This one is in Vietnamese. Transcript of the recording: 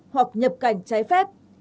hoặc nhập cảnh trái phép